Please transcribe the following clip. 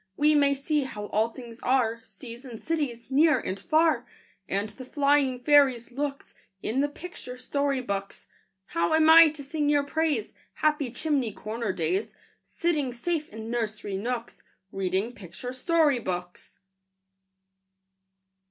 We may see how all things are, Seas and cities, near and far, And the flying fairies' looks, In the picture story books. How am I to sing your praise, Happy chimney corner days, Sitting safe in nursery nooks, Reading picture story books?